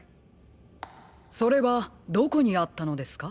それはどこにあったのですか？